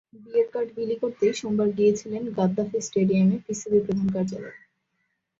বিয়ের কার্ড বিলি করতেই সোমবার গিয়েছিলেন গাদ্দাফি স্টেডিয়ামে পিসিবির প্রধান কার্যালয়ে।